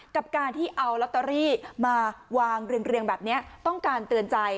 กับการที่เอาลอตเตอรี่มาวางเรียงแบบนี้ต้องการเตือนใจ